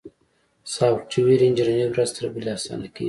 سافټویر انجینري ورځ تر بلې اسانه کیږي.